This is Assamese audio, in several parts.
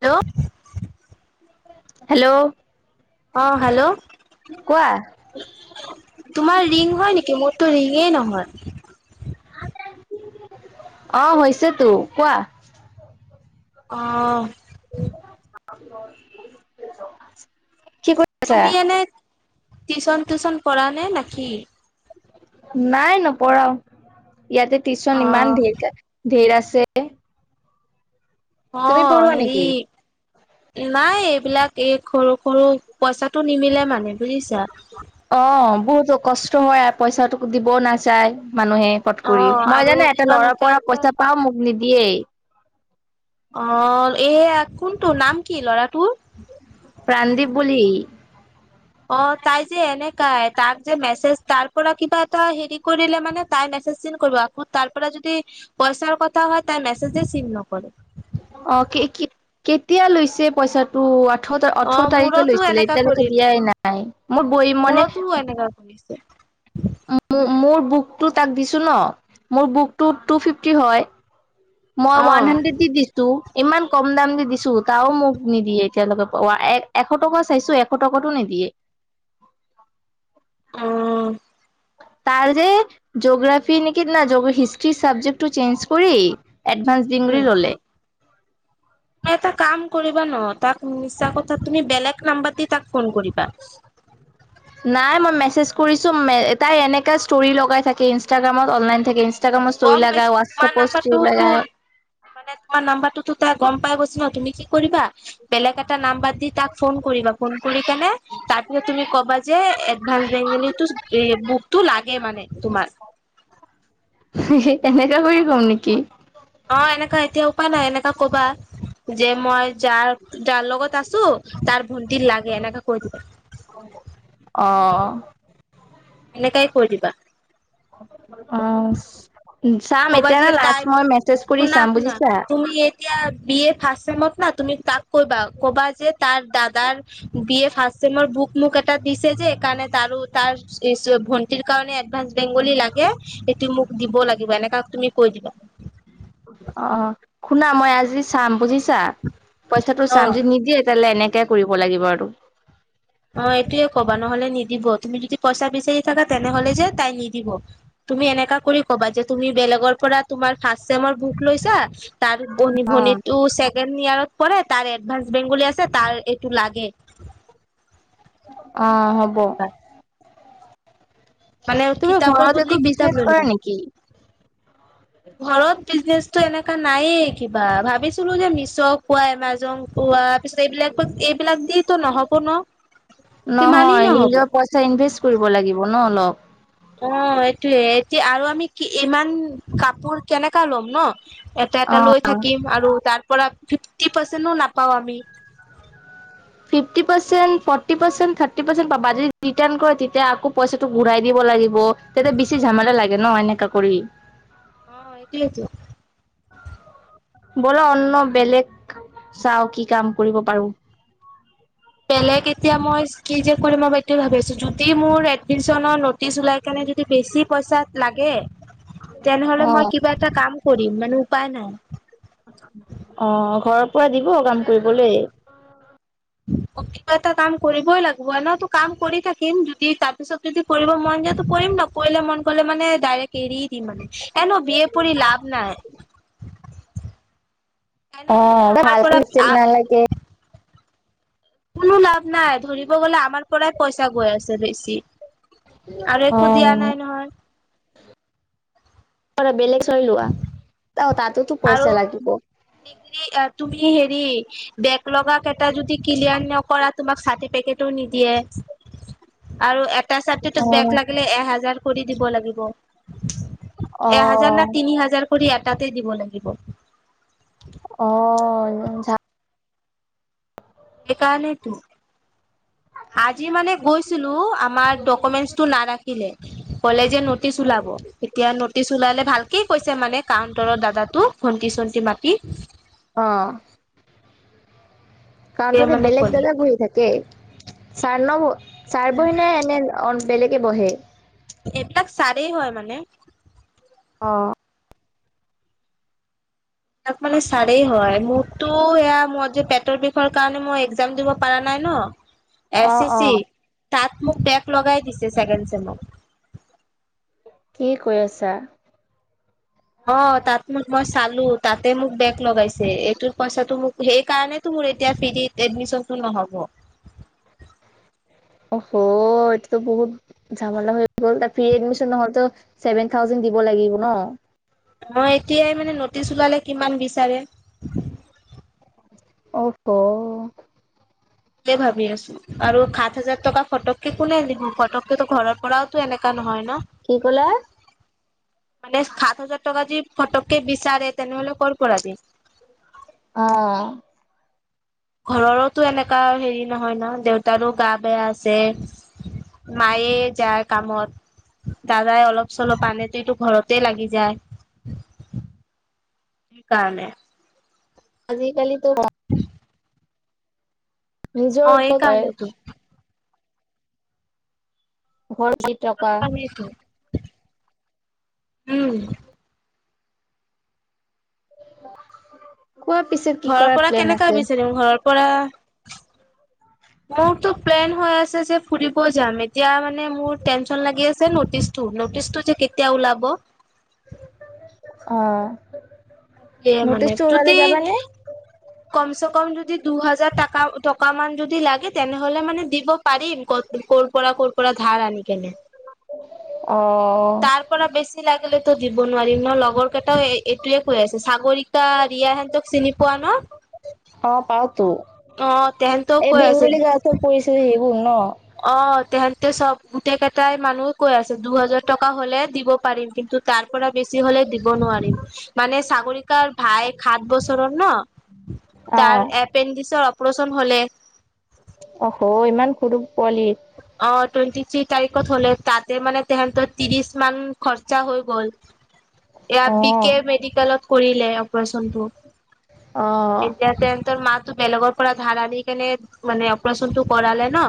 হেল্ল'। হেল্ল'। অ হেল্ল' কোৱা তোমাৰ ৰিং হয় নেকি মোৰ। টো ৰিঙেই নহয় অ হৈছে তো কোৱা অঁ কি কৰি আছা? তুমি এনে টিউচন টিউচন পঢ়া নে নে নেকি নাই নপঢ়াও ইয়াতে অ টিউচন ইমান ধঢেৰক ধেৰ আছে অ তুমি পঢ়োৱা হেৰি নেকি? নাই এইবিলাক এই সৰু সৰু পইচাটো নিমিলে মানে বুজিছা অ বহুতো কষ্ট হয় পইচাটো দিবও নাযায় মানুহে পট অ কৰি মই আৰু জানে এটা ইমান লৰা উঠা পৰা উঠা পইচা পাওঁ মোক নিদিয়েই। অ এয়া কোনটো নাম কি ল'ৰাটোৰ প্ৰাণদীপ বুলি অ তাই যে এনেকাই তাক যে মেছেজ তাৰ পৰা কিবা এটা হেৰি কৰিলে মানে তাই মেছেজ চিন কৰিব আকৌ তাৰ পৰা যদি পইচাৰ কথা হয় তাই মেছেজে চিন নকৰে অ অ কে কেতিয়া লৈছে পইচাটো তো আঠৰ অ ওঠৰ তাৰিখে মোৰতো লৈছিলে এনেকা এতিয়ালৈকে কৰিলে দিয়াই নাই মোৰ বৈ মানে মোৰতো এনেকা কৰিছে মোৰ বুকটো তাক দিছো ন মোৰ বুকটো টু ফিফটি হয় মই অ ৱান হাণ্ড্ৰেড দি দিছো ত ইমান কম দাম দি দিছো তাও মোক নিদিয়ে এতিয়ালৈকে প এ এশ টকা চাইছো এশ টকাতো নিদিয়ে অহ তাৰ যে জঅ'গ্ৰাফি নেকি না হিষ্ট্ৰি চাবজেক্টটো চেঞ্জ কৰি এডভান্সড দিম বুলি ল'লে তুমি এটা কাম কৰিবা ন তাক মিছা কথা তুমি বেলেগ নাম্বাৰ দি তাক ফোন কৰিবা নাই মই মেছেজ কৰিছো এহ তাই এনেকা ষ্টৰি লগাই থাকে ইনষ্টাগ্ৰামত অনলাইন থাকে ইনষ্টাগ্ৰামত গম ষ্টৰি লগায় পাইছো তোমাৰ হোৱাটছাপত ষ্টৰি নাম্বাৰটোতো লগায় মানে তোমাৰ নাম্বাৰটোতো তাই গম পাই গৈছে ন তুমি কি কৰিবা বেলেগ এটা নাম্বাৰ দি তাক ফোন কৰিবা ফোন কৰি কেনে তাৰপিছত তুমি ক'বা যে এডভান্সড বেংগলীটো এহ বুক তো লাগে মানে তোমাৰ এ এই তেনেকা হৈ গ'ল নেকি অ এনেকা এতিয়া উপায় নাই এনেকা ক'বা যে মই যাৰ যাৰ লগত আছো তাৰ ভন্টিৰ লাগে এনেকাে কৈ দিবা অহ এনেকাই কৈ দিবা অহ চাম ক'বা যে এতিয়া তাই লাষ্ট মই মোক মেছেজ কৰি শুনা চাম শুনা বুজিছা তুমি এতিয়া বি এ ৰ্ফাষ্ট চেমত না তুমি তাক কৈবা ক'বা যে তাৰ দাদাৰ বি এ ৰ্ফাষ্ট চেমৰ বুক মোক এটা দিছে যে এইকাৰণে তাৰো তাৰ ভণ্টিৰ কাৰণে এডভান্সড বেংগলী লাগে সেইটো মোক দিব লাগিব এনেকা তুমি কৈ দিবা অহ শুনা মই আজি চাম বুজিছা পইচাটো চাম অ'। যদি নিদিয়ে তেতিয়া হ'লে এনেকে এতিয়া কৰিব লাগিব আৰু অ এইটোৱে ক'বা নহ'লে নিদিব তুমি যদি পইচা বিচাৰি থাকা তেনেহ'লে যে তাই নিদিব তুমি এনেকা কৰি ক'বা যে তুমি বেলেগৰ পৰা তোমাৰ ৰ্ফাষ্ট্ৰ চেমৰ বুক লৈছা তাৰ ভনী অ ভনীটো ছেকেণ্ড ইয়েৰত পঢ়ে তাৰ এডভান্স বেংগলী আছে তাৰ এইটো লাগে অহ [unintelligible] মানে তুমি কিতাপৰ ঘৰত বদলি একো কিতাপ বিজনেচ লৈ কৰা ল'বা নেকি ঘৰত বিজনেচটো এনেকা নাইয়ে কিবা ভাবিছিলো যে মিছো কোৱা এমাজং কোৱা পিছত এইবিলাক এইবিলাক দি ত নহ'ব ন কিমানেই নহয় নহ'ব নিজৰ পইচা ইনভেষ্ট কৰিব লাগিব ন অলপ অ এইটোৱে এতিয়া আৰু আমি কি ইমান কাপোৰ কেনেকা ল'ম ন এটা অ এটা লৈ থাকিম আৰু তাৰ পৰা ফিফটি পাৰ্চেণ্টও নাপাওঁ আমি fifty percent forty percent thirty percent পাবা আৰু যদি ৰিটাৰ্ণ কৰে তেতিয়া আকৌ পইচাটো ঘূৰাই দিব লাগিব তেতিয়া বেছি ঝামেলা লাগে ন এনেকা কৰি অ এইটোৱেটো বল অন্ন বেলেগ চাওঁ কি কাম কৰিব পাৰো বেলেগ এতিয়া মই কি যে কৰিম মই এইটোৱে ভাৱি আছো যদি মোৰ এডমিশনৰ ন'টিশ উলাই কাৰণে যদি বেছি পইচা লাগে তেনেহ'লে অ মই কি কিবা এটা কাম কৰিম মানে উপায় নাই অ ঘৰৰ পৰা দিব কাম কৰিবলে অ কিবা এটা কাম কৰিবই লাগিব এনেওটো কাম কৰি থাকিম যদি তাৰপিছত যদি কৰিব মন যায় ত কৰিম নকৰিলে মন কৰিলে মানে ডাইৰেক্ট এৰিয়ে দিম মানে এনেও বি এ পঢ়ি লাভ নাই এনে অ যে আমাৰ ভাল পৰা নালাগে কোনো লাভ নাই ধৰিব গ'লে আমাৰ পৰাই পইচা গৈ আছে বেছি আৰু একো দিয়া অ'। নাই নহয় বেলেগ চই লোৱা অ তাতো আৰু যিখিনি তুমি হেৰি বেগ লগ কেইটা যদি ক্লিয়াৰ নকৰা তোমাক চাৰটিফিকেটো নিদিয়ে আৰু এটা চাবজেক্টত বেগ অ', লাগিলে এহাজাৰ কৰি দিব লাগিব এহাজাৰ নে অ', তিনি হাজাৰ কৰি এটাতে দিব লাগিব অ সেইকাৰণো টো আজি মানে গৈছিলো আমাৰ ডকুমেণ্টছ টো নাৰাখিলে কলে যে নটিচ ওলাব এতিয়া নটিচ ওলালে ভালকে কৈছে মানে কাউণ্টাৰৰ দাদাটো ভন্তি চন্তি মাটি অ তে কাউন্টাৰত মানে বেলেগ ক'লে দাদা বহি থাকে ছাৰ ন ছাৰ বহি নে এনে অ বেলেগে বহে এইবিলাক ছাৰেই হয় মানে অ তাক মানে ছাৰেই হয় মোকতো এয়া মই যে পেটৰ বিষৰ কাৰণে মই একজাম দিব পাৰা নাই ন এ অ', চি চি অ'। তাত মোক বেগ লগাই দিছে ছেকেণ্ড চেমত কি কৈ আছা অ তাত মোক মই চালো তাতে মোক বেগ লগাইছে এইটোত পইচাটো মোক সেইকাৰণে মোৰ এতিয়া ফ্ৰীত এডমিশনটো নহ'ব অ হঅ এইটোত বহুত চাবলে হৈ গ'ল তাত ফ্ৰি এডমিচন নহলে ত ছেভেন থাউজেন দিব লাগিব ন মই এতিয়াই মানে নটিচ ওলালে কিমান বিচাৰে অ হঅ ভাবি আছো, আৰু সাত হাজাৰ টকা ফটক- একো নাই দেখোন, ফটককেতো ঘৰৰ পৰাওটো এনেকা নহয় ন। কি ক'লা? মানে সাত হাজাৰ টকা যদি ফটকে বিচাৰে তেনেহ'লে কৰ পৰা দিম। অঁহ। ঘৰৰৰো এনেকা হেৰি নহয় ন' দেউতাৰো গা বেয়া আছে। মায়ে যায় কামত, দাদাই অলপ-চলপ আনে। প্ৰতিটো ঘৰতে লাগি যায় সেইকাৰণে। আজিকালিটো- উম। নিজৰ এই ওপকাৰ। কাৰণেতো ভৰ যি টকা। উমঁ। [unintelligible] কোৱা পিছে? কি ঘৰৰ কৰা পৰা প্লেন কেনেকা আছে? বিচাৰিম, ঘৰৰ পৰা- মোৰটো প্লেন হৈ আছে যে ফুৰিব যাম এতিয়া মোৰ টেনচন লাগি আছে ন। নটিছটো যে কেতিয়া ওলাব। অহ। এতিয়া মানে যদি- কমচ-চকম যদি দুটকা মান যদি হ'লে তেনেহ'লে মানে দিব- পাৰিম। কৰ পৰা, কৰ পৰা, ধাৰ আনি কেনে। অ। তাৰ পৰা বেছি লাগিলে তো দিব নোৱাৰিম ন' লগৰ কেইটাও এইটোয়ে কৈ আছে সাগৰিকা- তাৰ ৰিয়া হেতক চিনি পোৱা ন? অঁ', পাওঁ টো। অ তেহেতও এই কৈ বেংগলী গাছ পৰিছে সেইবোৰ ন? অঁহ', - তেহেতে চব গোটেই কেইটাই মানুহ কৈ আছে দুহাজাৰ টকা হ'লে দিব পাৰিম, কিন্তু তাৰ- পৰা বেছি হ'লে দিব নোৱাৰিম। মানে সাগৰিকাৰাৰ ভাইক সাত বছৰৰ ন' তাৰ অ' এক- পেণ্ডিছৰ অপাৰে্যন হ'লে- অ-অহ ইমান সৰু পোৱালী। অঁ', - টুৱেন্টি থ্ৰী তাৰিখত হ'লে তা'তে মানে তেৰ ত্ৰিশ মান- খৰচা হৈ গ'ল, এয়া বি কে অ'। মেডিকেলত কৰিলে- অপাৰে্যনটো। অ'। এতিয়া সিহঁতৰ মাক বেলেগক- পুৰা ধাৰা দি কেনে মানে অপাৰে্যনটো কৰিলে ন।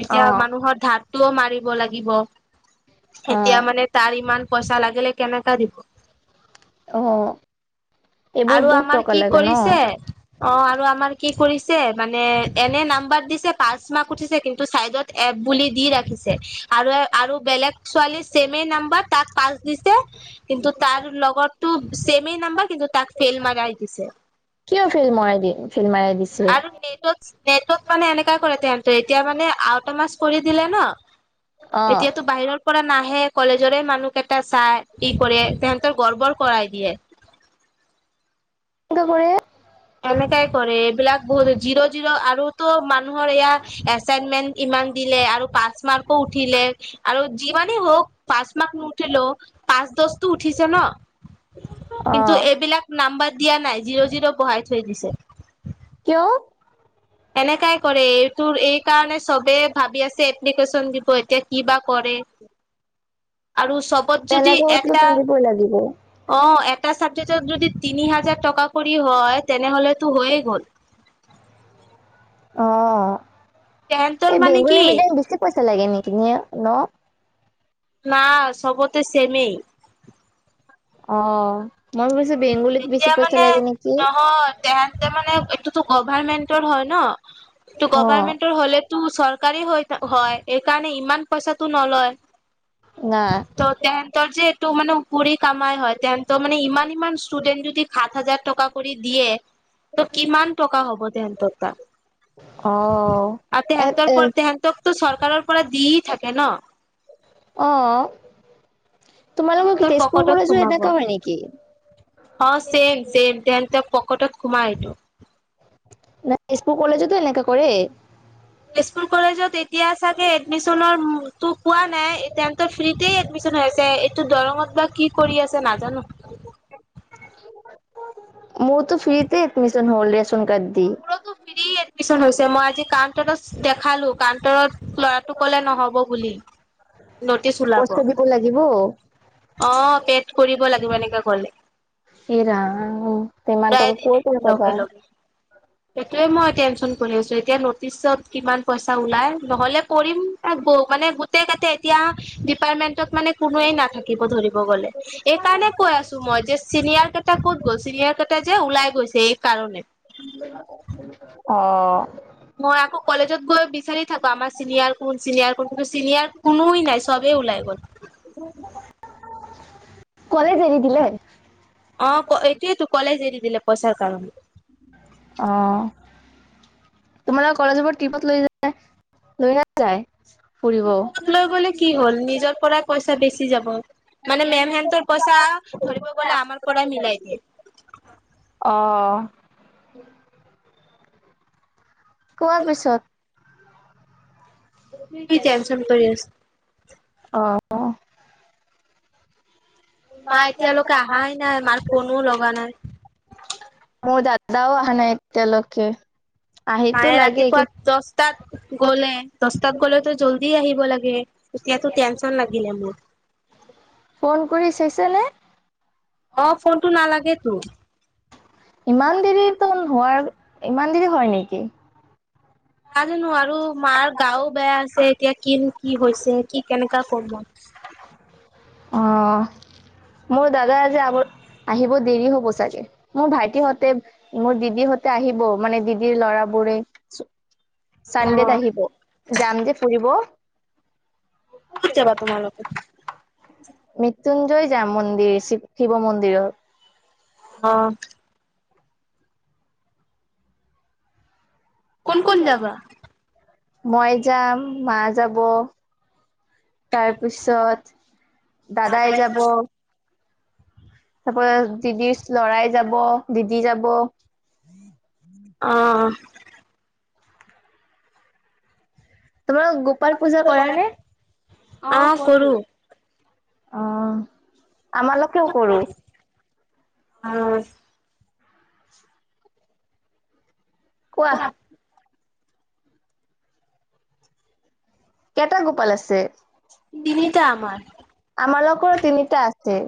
এতিয়া অ' মানুহৰ ধাৰটোও মাৰিব লাগিব। এতিয়া অ' মানে- তাৰ ইমান পইচা লাগিলে কেনেকা দিব। অ' এইবোৰ আৰু বহুত আমাৰ টকা কি লাগে ন? কৰিছে। অঁ', আৰু আমাৰ কি কৰিছে মানে এনেই নাম্বাৰ দিছে পাঁচ মাহক উঠিছে, কিন্তু- চাইডত এপ বুলি দি ৰাখিছে। আৰু-আৰু বেলেগ ছোৱালী চেছেমে নাম্বাৰ তাক পাছ দিছে কিন্তু তাৰ লগত- টোক চেছেমেই নাম্বাৰ কিন্তু তাক ফেইল মাৰাই দিছে। কিয় ফেল মাৰাই দিয়ে, ফেল মাৰাই দিছে? আৰু নেটত, নেটত মানে এনেকা কৰে তে' এতিয়া মানে আউট মাছ কৰি দিলে ন। অ' এতিয়াতো বাহিৰৰ- পৰা নাহে কলেজৰে মানুহ কেইটাই চাই কি কৰে তেহেতৰ গৰ্বৰ কৰাই দিয়ে। এনেকা বোৰে এনেকাই কৰে এইবিলাক বহুত জিৰ' জিৰ' আৰুতো মানুহৰ এয়া এচাইনমেন্ট ইমান দিলে আৰু পাঁচ মাৰ্কো উঠিলে আৰু যিমানেই হওক পাঁচ মাৰ্ক নু উঠিলেও পাঁচ দশতটো উঠিছে ন কিন্তু অ'। এইবিলাক নাম্বাৰ দিয়া নাই জিৰ' জিৰ' বঢহাই থৈ দিছে। কিয়? এনেকাই কৰে এইটোৰ এই কাৰণে চবে ভাবি আছে এপ্লিকেশচন দিব এতিয়া ক বা কৰে। আৰু চবত যদি তেনেকে উঠলে এটা কান্দিবই লাগিব। অ এটা চাবজেক্টত যদি তিনি হাজাৰ টকা কৰি হয় তেনেহলেতো হৈ গ'ল। অ তেহেতৰ এই মানে বেংগলী, কি মিডিয়াম বেছি পইচা লাগে নেকি ন ন। ন চবতে চেমেই অ মই ভাবিছো বেংগলীত, বেছি এতিয়া মানে পইচাগে নেকি? নহয় তেহেতে মানে এইটোতো গভাৰমেন্টৰ হয় ন ত অ গভাৰমেন্টৰ হ'লেতো চৰকাৰী হৈ থ হয় এইকাৰণে ইমান। পছাতো নলয় না ত টেন তৰ যে এইটো মানেুৰি কামাই হয় তে তো মানে ইমান ইমান ষ্টুডেট যদি সাত হাজাৰ টকা কৰি দিয়ে। ত' কিমান টকা হ'ব তেহতৰ তাত অ আৰু এ তেহতৰ এ পৰা তেহেতকো চৰকাৰৰ পৰা দেই থাকে ন। অ তোমালোকৰ কি তেহেতৰ তেজপুৰ পকেটত কলেজো সোমাব এনেকা হয় নেকি? অ চছেম- চছেম তেন তেওঁক পকেটত সোমাই এইটো নাই সপু কলেজোতো এনেকা কৰে। স্কুল কলেজত এতিয়া চাগে এডমিশনৰ তটো কোৱা নাই এ তেৰ ফ্ৰীতে এডমিশন হৈ আছে। ত দৰঙত বা কি কৰি আছে নাজানো। মোৰতো ফ্ৰীতে এডমিছন, হ'ল ৰেচন কাৰ্ড, দি। মোৰ ফ্ৰী এডমিশ্যন হৈছে মই কান্ত আছো। দেখালো কান্তৰত লৰাটো কলে নহব বুলি নটিচ ওলাব। পইচা দিব লাগিব। অ পেট কৰিব লাগিব এনেকে গলে। এইৰাম ইনমান টকা ঘূৰাই দিলে ক'ত পৰা পাবা। লগে লগে। সেইটোৱে মই টেনচন কৰি আছো। এতিয়া নটিচত কিমান পইচা ওলাই নহলে কৰিম মানে গোটেই কতে এতিয়া ডিপাৰ্টমেন্টত মানে কোনোৱে নাথাকে। থাকিব ধৰিব গলে এইকাৰণে কৈ আছো মই যে চিনিয়। টা ক'ত গ'ল চিনিয়াৰ কেইটা যে ওলাই গৈছে এই কাৰণে [unintelligible] অ মই আকৌ কলেজত গৈ বিচাৰি থাকো। আমাৰ চিনিয়ৰ কোন চিনিয়ৰ কোন কিন্তু চিনিয়ৰ কোনোৱই নাই চবেই ওলাই গ'ল। অ কলেজ এৰি দিলে। অ এইটয়েইো কলেজ এৰি দিলে পইচাৰ কাৰণে অঁ তোমাৰ কলেজৰ টপত লৈ যায়। য ফুৰিব। তাক লৈ গ'লে কি হল নিজৰ পৰাই পইচা বেচি যাব মানে মেমহেনৰ পইচা। ধৰিব গলে আমাৰ পৰাই মিলাই দিয়ে। অ। কোৱাৰ পিছত। কি টেনচন [unintelligible] কৰি আছ আহ মা এতিয়ালৈকে অহাই নাই মাৰ ফোনো লগা নাই। মোৰ দাদাও আহ নাই এতিয়া লোকে। মায়ে ৰাতিপুৱা দচ তাত গ'লে দহটাত গলেতো জল্দি আহিব লাগে, এতিয়াতো টেনচন লাগিলে মোৰ। ফোন কৰি চাইছে নে? অ ফোনটো নালাগে তো। ইমান দেৰিতো নোৱাৰ ইমান দেৰি হয় নেকি? নাজানো আৰু মাৰ গাও বেয়া আছে, এতিয়া কি কি হৈছে কি কেনেকা কম মই। [inaudible] অ মোৰ দাদা আজি আগ আহিব দেৰি হ'ব চাগে, মোৰ ভাইটি হহঁতে মোৰ দিদিৰ হতে আহিব মানে দিদিৰ ল'ৰাবোৰে অ চানডেত আহিব, যাম যে ফুৰিব। ক'ত যাবা তোমালোকে? মৃত্যুঞ্জয় যাম মন্দিৰি, শিৱ মন্দিৰৰ। অ। কোন কোন জাবা? মই যাম, মা যাব, তাৰপিছত দাদাই যাব, তাৰপ দিদিৰ ল'ৰাই যাব, দিদি যাব, অ। তোমাৰ গোপাল পূজা কৰা নে? অ কৰো। অ আমালকেও কৰো। [inaudible] কোৱা? কেইটা গোপাল আছে? তিনিটা আমাৰ। আমাৰ লগোকৰো তিনিটা আছে।